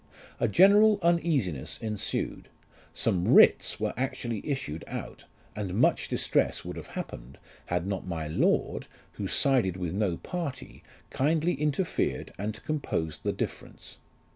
A general uneasiness ensued ; some writs were actually issued out, and much distress would have happened, had not my lord, who sided with no party, kindly interfered and composed the difference.